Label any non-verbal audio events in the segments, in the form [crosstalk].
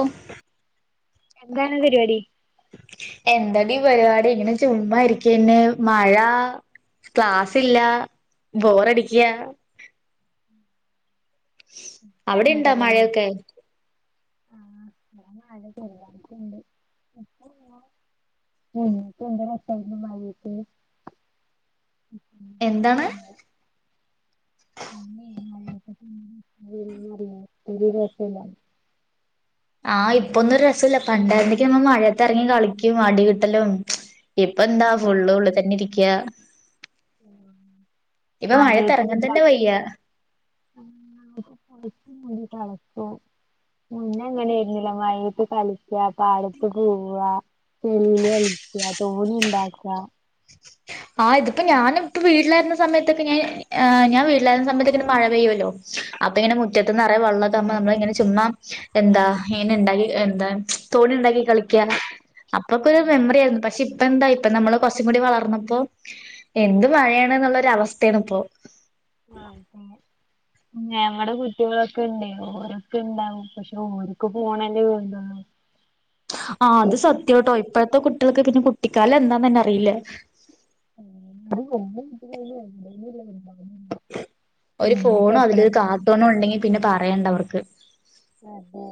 ഓഹ് എന്താണ് പരിപാടി? എന്താടി പരിപാടി ഇങ്ങനെ ചുമ്മായിരിക്കന്നെ മഴാ ക്ലാസ്സില്ല ബോറടിക്ക്യാ അവിടിണ്ട അങ്ങനൊക്കെ തന്നെ മഴയൊക്കെ? ഇന്ന് മഴ ചെറുതായിട്ടിണ്ട്. ഉം അന്നൊക്കെ എന്ത് രസായിരുന്നു മഴേത്ത്. എന്താണ് [unintelligible] [unintelligible] ഇപ്പൊരു രസം ഇല്ലാന്ന് ആ ഇപ്പൊന്നും രസവില്ല പണ്ടാരുന്നെങ്കിൽ നമ്മ മഴയത്ത് എറങ്ങി കളിക്കും. അടി കിട്ടലും ഇപ്പ എന്താ ഫുള്ള് ഉള്ളി തന്നെ ഇരിക്കാ ഇപ്പ മഴേത്തിറങ്ങാൻ തന്നെ വയ്യ ഇം [inaudible] മുന്നേ അങ്ങനേരുന്നില്ലെ മഴയത്ത് കളിക്ക്യാ പാടത്ത് പോവാ ചെളീല് കളിക്ക്യാ തോണി ഇണ്ടാക്ക. ആ ഇതിപ്പോ ഞാനും ഇപ്പോ വീട്ടിലായിരുന്ന സമയത്തൊക്കെ ഞാൻ ആ ഞാൻ വീട്ടിലായിരുന്ന സമയത്ത് ഇങ്ങനെ മഴ പെയ്യുമല്ലോ അപ്പൊ ഇങ്ങനെ മുറ്റത്ത് നിറയെ വെള്ളൊക്കെ ആവുമ്പോ നമ്മളിങ്ങനെ ചുമ്മാ എന്താ ഇങ്ങനെ ഇണ്ടാക്കി എ ന്താ തോണി ഇണ്ടാക്കി കളിക്കാ അപ്പൊക്കെ ഒരു മെമ്മറിയായിരുന്നു പക്ഷെ ഇ പ്പെന്താ ഇപ്പ നമ്മള് കുറച്ചും കൂടി വളർന്നപ്പോ എന്ത് മഴയാണ് എന്നുള്ളൊരു അവസ്ഥയാണ് ഇപ്പോ ആ [inaudible] ഞങ്ങടെ കുട്ട്യോളൊക്കെ ഇണ്ട്. ഓരൊക്കെ ഇണ്ടാവും പക്ഷെ ഓരിക്ക് പോണേൻ്റെ [inaudible] [inaudible] ആ അത് സത്യാട്ടോ ഇപ്പഴത്തെ കുട്ടികൾക്കക്ക പിന്ന കുട്ടിക്കാലം എന്താന്ന് തന്നെ അറിയില്ല [inaudible] ഒരു അമ്മക്ക് ഫോണോ എത്ര അതിലൊരു കാർട്ടൂണോ ഒണ്ടെങ്കിൽ പിന്നെ പറയണ്ട അവർക്ക് അതെ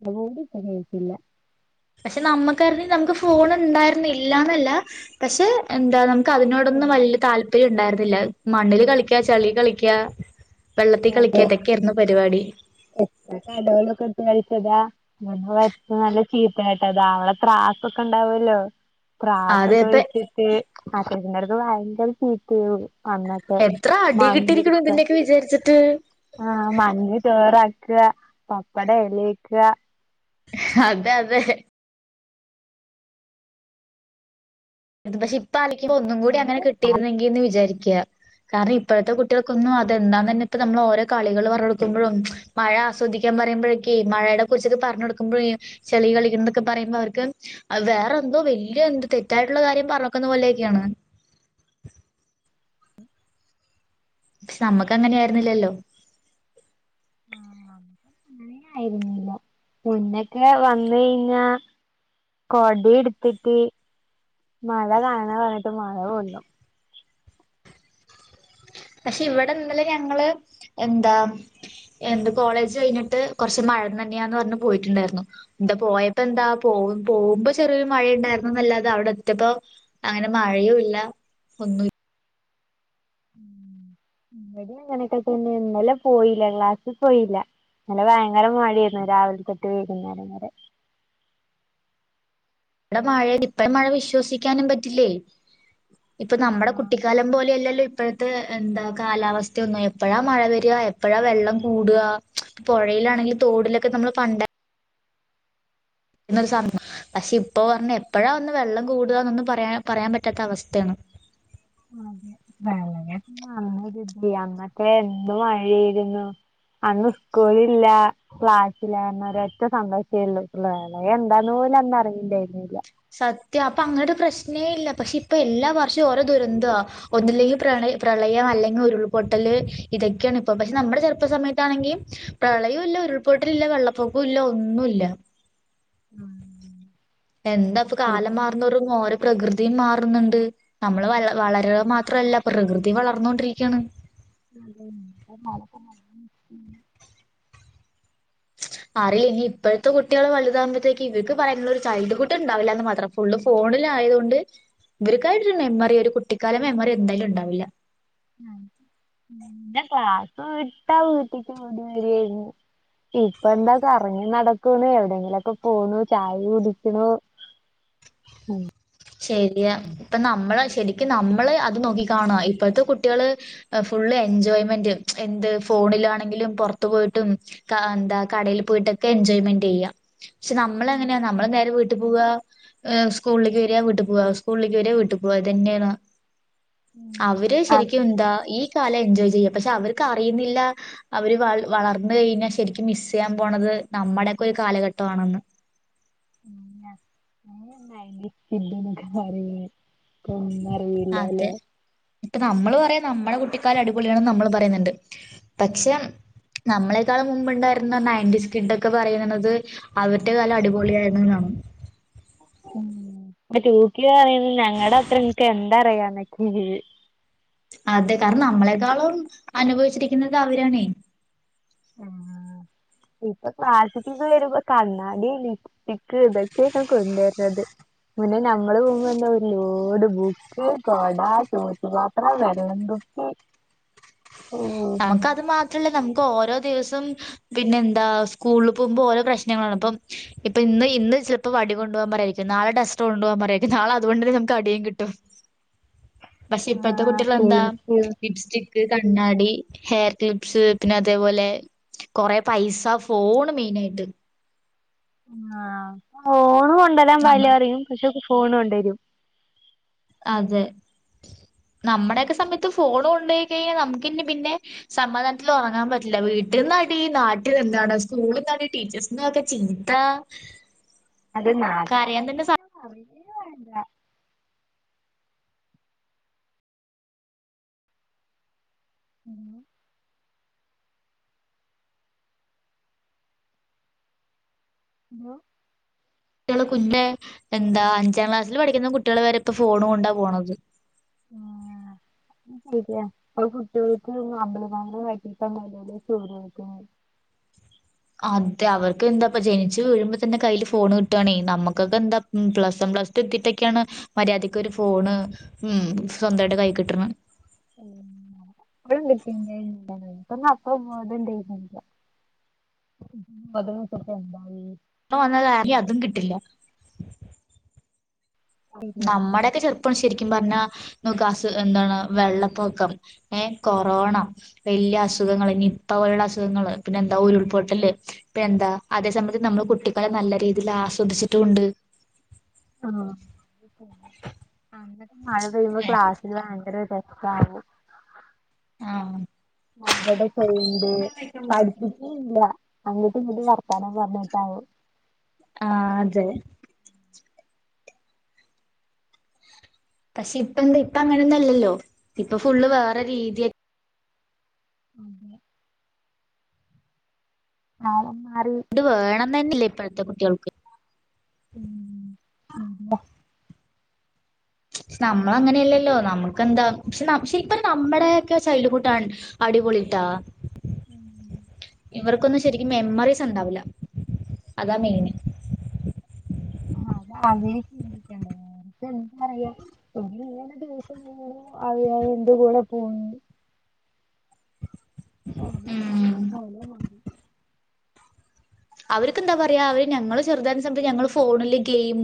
[inaudible] കേക്കില്ല പക്ഷെ നമ്മക്കായിരുന്നെങ്കിൽ നമുക്ക് ഫോൺ ഇണ്ടായിരുന്ന് ഇല്ലാന്നെല്ല പക്ഷെ എന്താ നമു ക്കതിനോടൊന്നും വലിയ താല്പര്യം ഇണ്ടായിരുന്നില്ല. മണ്ണിള് കളിക്ക്യാ ചെളീ കളിക്ക്യാ വെള്ളത്തി കളിക്ക്യാ. അതെ ഇതൊക്കെയായിരുന്നു പരിപാടി എത്ര കടകളൊക്കെ ഇട്ട് കളിച്ചതാ [unintelligible] നല്ല ചീത്ത കേട്ടതാ അവളെ ത്രാ സ്സൊക്കെണ്ടാവല്ലോ അതെ ത്രാസൊക്കെ ഇപ്പ വെച്ചിട്ട് [unintelligible] ഭയങ്കര ചീത്തേവും അന്നൊക്കെ എത്ര അടി കിട്ടിയിരിക്കണു [unintelligible] ഇതിന്റെയൊക്കെ വിചാരിച്ചിട്ട് ആ മണ്ണ് ചോറാക്കാ പപ്പടം എലേക്ക അതെ അതെ ഇത് പക്ഷെ ഇപ്പ ആലോചിക്കുമ്പ ഒന്നും കൂടി അങ്ങനെ ഞങ്ങടെ കിട്ടീരുന്നെങ്കീന്ന് വിചാരിക്ക്യാ. കാരണം ഇപ്പഴത്തെ ഉം കുട്ടികൾക്കൊന്നും ഇതെന്താന്ന് പറഞ്ഞ ഇപ്പ നമ്മള് ഓരോ കളികള് പറഞ്ഞു കൊടുക്കുമ്പഴും മഴ ആസ്വദിക്കാൻ പറയുമ്പഴക്കേം മഴേനെ കുറിച്ചക്ക പ പറഞ്ഞ് കൊടുക്കുമ്പഴേ ചെളിയിൽ കളിക്കണതൊക്കെ പറയുമ്പോ അവർക്ക് അത് വേറെന്തോ വല്യ എന്തോ തെറ്റാ യിട്ടിള്ള കാര്യം പറഞ്ഞേക്കുന്ന പോലേക്കെയാണ് പക്ഷെ നമ്മക്ക് അങ്ങനെയായിരുന്നില്ലല്ലോ [inaudible] അങ്ങന ആയിരുന്നില്ലോ ഇന്നൊക്കെ വന്ന് കഴിഞ്ഞാ കൊടേടുത്തിട്ട് മഴ കാണാൻ പറഞ്ഞിട്ട് മഴ കൊള്ളും. പക്ഷെ ഇവിടിന്നല ഞങ്ങള് എന്താ എന്ത് കോളേജ് കഴിഞ്ഞിട്ട് കൊറച്ച് മഴ നനയാന്ന് പറഞ്ഞ് പോയിട്ടിണ്ടായിരുന്ന് എന്താ പോയപ്പോ എന്താ പോ പോകുമ്പോ ചെറിയൊരു മഴയുണ്ടായിരുന്നുന്നല്ലാതെ അവിടെ എത്തിട്ടപ്പോ അങ്ങനെ മഴയു ല്ല ഒന്ന എവിടും അങ്ങനെയൊക്കെ തന്നെ ഇന്നലെ പോയില്ല ക്ലാസ്സിൽ പോയില്ല ന്നലെ ഭയങ്കര മഴയായിരുന്നു രാവിലെ തെട്ട് വീകുന്നേരം വരെ [inaudible] നമ്മടെ മഴ ഇപ്പഴ മഴ വിശ്വസിക്കാനും പറ്റില്ലേ ഇപ്പൊ നമ്മുടെ കുട്ടിക്കാലം പോലെയല്ലല്ലോ ഇപ്പോഴത്തെ എന്താ കാലാവസ്ഥയ ഒന്നും എപ്പോഴാ മഴ വരിക എപ്പോഴാ വെള്ളം കൂടുക പുഴ ലാണെങ്കിൽ തോടിലൊക്കെ നമ്മള് പണ്ട ഒരു സമം പക്ഷെ ഇപ്പൊ പറഞ്ഞ എപ്പോഴാ ഒന്ന് വെള്ളം കൂടുകന്നൊന്നും പറയാ പറയാൻ പറ്റാത്ത അവസ്ഥയാണ്. [inaudible] അതെ വള നന്നരുതി അന്നക്കെ എന്നും മഴയിരുന്നു അന്ന് സ്കൂളില്ല ക്ലാസ്സില്ല ന്നൊര ഒറ്റ സന്തോഷേള്ളൂ വേറെ എന്താന്ന് ല അന്ന അറിയിണ്ടായിന്നില്ല സത്യ അപ്പൊ അങ്ങനെ ഒരു പ്രശ്നേ ഇല്ല പക്ഷെ ഇപ്പൊ എല്ലാ വർഷവും ഓരോ ദുരന്ത ഒന്നൂല്ലെങ്കിൽ പ്രള പ്രളയം അല്ലെങ്കിൽ ഉരുൾപൊട്ടൽ ഇതൊക്കെയാണ് ഇ പക്ഷെ നമ്മുടെ ചെറുപ്പ സമയാണെങ്ക പ്രളയു ഉരുൾപൊട്ടിലില്ല വെള്ളപ്പൊക്ക ഇല്ല ഒന്നുല്ല ഉം എന്താ ഇപ്പൊ കാലം അതെ. മാറുന്ന ഓര പ്രകൃതിയും മാറുന്നുണ്ട് നമ്മള് വ വളരുക മാത്രല്ല പ്രകൃതി വളർന്നൊണ്ടിരിക്കുകയാണ്. [inaudible] [inaudible] [inaudible] അറിയില്ല ഇനി ഇപ്പോഴത്തെ കുട്ടികൾ വലുതാകുമ്പഴത്തേക്ക് ഇവക്ക് പറയുള്ള ഒരു ചൈൽഡ് ഹു്ട്ണ്ടാവില്ലാന്ന് മാത്രം ഫുള് ഫോണില ആയതുകൊണ്ട് ഇവർക്കായിട്ടരു മെമ്മറി ഒരു കുട്ടിക്കാല മെമ്മറി എന്തായാലും ഉണ്ടാവില്ല ന്റെ ക്ലാസ് വിട്ടാ വീട്ടക്ക് ഓടി വരിയായിരുന്നു ഇപ്പൊ എന്താ കറങ്ങി നടക്കന്ന് എവിടെയങ്കിലുമൊക്കെ പോണു ചായ കുടിക്കണു ഉം ക്ക് നമ്മള് അത് നോക്കി കാണ ഇപ്പോഴത്തെ കുട്ടികൾ ഫുൾ എൻജോയ്മെന്റ് എന്ത്‌ ഫോൺ ആണെങ്കിലും പുറത്ത പോയിട്ടും എന്താ കടെൽ പോയിട്ടൊക്കെ എൻജോയ്മെന്റ് ചെയ്യ പക്ഷെ ഉം. നമ്മളെങ്ങനെയാ നമ്മള് നേരെ വീട്ടിൽ പോകുക സ്കൂളിലക്ക് വിട്ടു പോവാ സ്കൂളിലക്ക് വാര വിട്ടു പോവാ ഇത്തന്നെയാണ് അവര് അത് ശരിക്കും എന്താ ഈ കാലം എൻജോയ് ചെയ്യാം പക്ഷെ അവർക്ക് അറിയുന്നില്ല അവര് വളരെ വളർന്ന കഴിഞ്ഞാൽ ശരിക്കും മിസ് ചെയ്യാൻ പോണത് നമ്മുടെയൊക്കെ ഒരു കാലഘട്ട ആണെന്ന് ഉ സൊക്കെ പറി അതെ ഇപ്പൊ നമ്മള് പറയാ നമ്മള കുട്ടിക്കാല അടിപൊളിയണ നമ്മൾ പറയുന്നുണ്ട് ഉം പക്ഷെ നമ്മളെക്കാളും മുമ്പുണ്ടായിരുന്ന നയന്റിൻസ് കിഡ്ഒക്കെ പറയുന്നത് അവരുടെ കാലം അടിപൊളിയ ആയിരുന്ന എന്നാണ് ഉം ഇപ്പ ചൂക്കി പറയുന്നത് ഞങ്ങളുടെ അത്ര നിങ്ങക്ക് എന്താ അറിയന്നൊക്കത് അതെ കാരണം നമ്മളെക്കാളും അനുഭവിച്ചിരിക്കുന്നത് അവരണേ ആഹ് [inaudible] ഇപ്പൊ ക്ലാസ്ക്കൊക്കെ വരുമ്പോ കണ്ണാടി ലിപ്സ്റ്റിക്ക് ഇതൊക്കെയക്കാ കൊണ്ടുവരനത് പിന്നെ ഞങ്ങൾ പോകുമ്പോന്ന ഒരു ലോട് ബുക്ക് കൊട ചോറ്റുപാത്രം വെള്ളം കുപ്പി ഉം നമുക്കത് മാത്രല്ല നമുക്ക് ഓരോ ദിവസം പിന്നെ എന്താ സ്കൂളിൽ പോകുമ്പോ ഓരോ പ്രശ്നങ്ങളാണ് ഇപ്പം ഇപ്പ ഇ ഇന്ന് ചിലപ്പോ വടീം [unintelligible] നാളെ ഡസ്റ്റർ കൊണ്ടുപോവാൻ പറയാരിക്കും നാളെ അതുകൊണ്ട് തന്ന നമുക്ക് അടിയും കിട്ടും പക്ഷെ ഇപ്പഴത്തെ ആഹ് കുട്ടികളെന്താ ശരിക്ക് ലിപ്സ്റ്റിക്, കണ്ണാടി ഹെയർക്ലിപ്സ് പിന്നെ അതേപോലെ കൊറെ പൈസ ഫോണ് മെയിനായിട്ട് ആ ഫോണ് കൊണ്ടരാൻ നമ്മ പാടില്ലാ പറയും പക്ഷെ ഫോൺ കൊണ്ടൊരും അതെ നമ്മുടെയൊക്കെ സമയത്ത് ഫോണുകൊണ്ടോയി കഴിഞ്ഞാൽ നമുക്കിനി പിന്നെ സമാധാനത്തിലുറങ്ങാൻ പറ്റില്ല വീട്ടില് ഫുള്ളായിട്ടി നാട്ടിൽ എന്താണ് സ്കൂളിലെന്താണ് ടീച്ചേഴ്സിന്റ്റെയൊക്കെ ചീത്ത അത് കരയാൻ തന്നെ നാട്ടാരറിഞ്ഞാൽ പിന്നെ പറയുകയേ വേണ്ട ഉം [unintelligible] കുട്ടികള് കുഞ്ഞെ എന്താ അഞ്ചാം ക്ലാസ്സില് പഠിക്കുന്ന കുട്ടികളുവരെ ഇപ്പ ഫോണുകൊണ്ടാ പോണത് [inaudible] ആ, [unintelligible] [inaudible] അതെ അവർക്ക് എന്താപ്പ ജനിച്ചുവീഴുമ്പോ തന്നെ കയ്യിൽ ഫോണുകിട്ടുവാണേ നമ്മുക്കൊക്കെ എന്താ പ്ലസ് വൺ പ്ലസ്ടു എത്തിട്ടൊക്കെയാണ് മര്യാദക്ക് ഒരു ഫോണ് ഉം സ്വന്തമായിട്ട് കൈ കിട്ടണെ [unintelligible] [unintelligible] ഇപ്പവന്നതു [unintelligible] അതും കിട്ടില്ല നമ്മുടെക്കെ ചെറു ഇപ്പ ശരിക്കും പറഞ്ഞാ നമുക് അസു എന്താണ് വെള്ളപ്പൊക്കം ഏ കൊറോണ വെലൃ വലൃ അസുഖങ്ങള് നിപ്പ പോലെയുള്ള അസുഖങ്ങള് പിന്നെന്താ ഉരുൾപൊട്ടല് പിന്നെന്താ അതെസമയത്ത് നമ്മള് കുട്ടി ഇപ്പഴും നല്ല രീതിയിൽ ആസ്വദിച്ചിട്ടുമുണ്ട് ആ അങ്ങട്ട് മഴ പെയ്യുമ്പോ ക്ലാസ്സില് ഭയങ്കര ഇതാ ആ ആഹ് മഴേടെ സൗണ്ട് പഠിപ്പിക്കീയില്ല അങ്ങോട്ടും ഇങ്ങട്ടും വർത്താനം പറഞ്ഞിട്ടാവും ആ അതെ പക്ഷേ ഇപ്പെന്താ ഇപ്പ അങ്ങനൊന്നുല്ലല്ലോ ഇപ്പൊ ഫുള്ളുവേറെ രീതി അതെ ആ ഇത് വേണം തന്നെയില്ല ഇപ്പഴത്തെ കുട്ടികൾക്ക് [unintelligible] നമ്മളങ്ങനെയല്ലല്ലോ നമ്മുക്കെന്താ പക്ഷേ പക്ഷെ ഇപ്പം നമ്മുടെയൊക്കെ ചൈൽഡ് കൂട്ടാണ് ആ അടിപൊളി ട്ടാ [inaudible] ഇവർക്കൊന്നും ശെരിക്കും മെമ്മറീസ് ഉണ്ടാവില്ല അതാ മെയിന് ആ, അവര് ചിന്തിക്കേണ്ടതാണ് [unintelligible] എന്തുകൂടെ പോണുണ്ട് ഉം [unintelligible] അവർക്കെന്താ പറയാ അവര് ഞങ്ങള് ചെറുതാരിന്നസമയത്ത് ഞങ്ങള് ഫോണില് ഗെയിം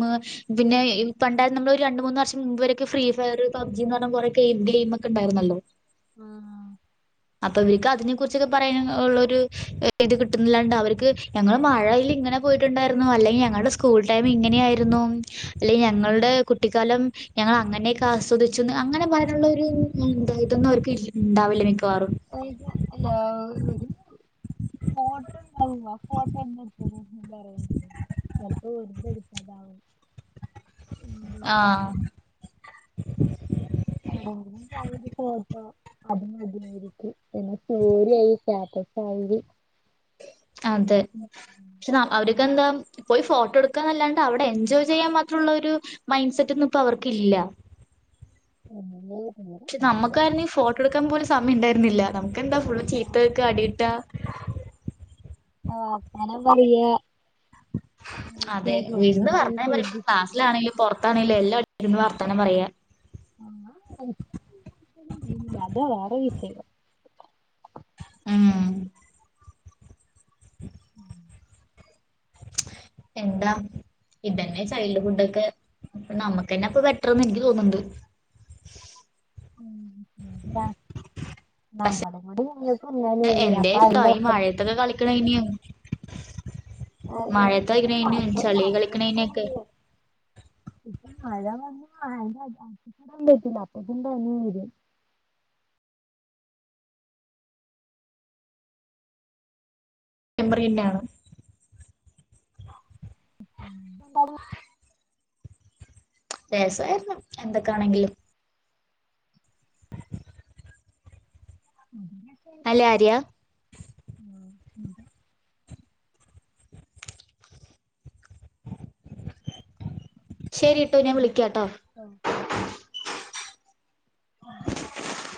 പിന്നെ ഈ പണ്ടാ നമ്മളൊരു രണ്ടു മൂന്ന് വർഷം മുമ്പു വരെയൊക്കെ ഫ്രീ ഫയർ, പബ് ജിന്ന് പറഞ്ഞ കുറെ ഗെയിം ഗെയിം ഒക്കെ ഉണ്ടായിരുന്നല്ലോ ആം അപ്പൊഇവർക്ക് അതിനെ കുറിച്ചൊക്കെ പറയാനുള്ളൊരു ഇത് കിട്ടുന്നില്ലാണ്ട് അവർക്ക് ഞങ്ങള് മഴയില്ലെ അങ്ങനെ പോയിട്ടുണ്ടായിരുന്നു അല്ലെങ്കിൽ ഞങ്ങളുടെ സ്കൂൾ ടൈം ഇങ്ങനെയായിരുന്നു അല്ലെങ്കിൽ ഞങ്ങളുടെ കുട്ടിക്കാലം ഞങ്ങൾ അങ്ങനെയൊക്കെ ആസ്വദിച്ചുന്ന് അങ്ങനെ പറയാനുള്ളൊരു ഇതൊന്നും അവർക്ക് ഇല്ല ഉണ്ടാവില്ലനിക്ക് ഹല്ലോ ഫോട്ടോണ്ടായിനോ? ഫോട്ടോ [unintelligible] [unintelligible] ചെലപ്പോ വെറുതെ എടുക്കണതാകും. ആ എവിടെയെങ്കിലും പോയൊരു ഫോട്ടോ അതുമതി മെരിക്ക് പിന്നെ [unintelligible] [unintelligible] അതെ പക്ഷെഅവര് ക്കെന്താ പോയി ഫോട്ടോ എടുക്കുകന്നല്ലാണ്ടേ അവടെ എൻജോയ് ചെയ്യാൻ മാത്രള്ളരു മൈൻഡ് സെറ്റ് ഒന്നും ഇപ്പ അവർക്കില്ല. ഉം [unintelligible] പക്ഷേ നമ്മുക്കാരന്നെങ്കിൽ ഫോട്ടോ എടുക്കാൻ പോലും സമയണ്ടായിരുന്നില്ല. നമുക്കെന്താ? ഫുൾ ചീത്തകേക്കാ അടിട്ടാ ആ അങ്ങനേം പറയാ അതെ. കളിക്കാനോ ഞാൻ [unintelligible] ശ്രദ്ധിച്ചില്ല ക്ലാസ്സിലാണെങ്കിലും പൊറ ണേലും എല്ലാം ഇരുന്ന് വർത്താനം പറയാ ആ [inaudible] ഇല്ലാ അതാ വേറെ വിഷയം. ഉം എന്താ? ഇതന്നെ ചൈൽഡ്ഹുഡ് ഒക്കെ. അപ്പോ നമ്മുക്കന്നെ അപ്പ ബെറ്റർന്ന് എനിക്ക് തോന്നണ്ട്. ഉം [unintelligible] പക്ഷെ നമ്മടേം കൂടീണ്ട് എന്റെ [unintelligible] മഴേത്തൊക്കെ കളിക്കണോയിന്? [unintelligible] മഴ ചളി കളിക്കണേനൊക്കെ പറഞ്ഞ [unintelligible] അപ്പക്കും പനി വരും ! ! ! ! ! ! ! ! ! ! മ്മ് ന്താണ് രസായിരുന്നു എന്തൊക്കൊണെങ്കിലും [unintelligible] ആയിരുന്നു അല്ലേ ആര്യ ആ ങ്ഹും ശെരി ഇതൊക്കെ ട്ടോ ഞാൻ ശരി വിളിക്കാട്ടോ ഉം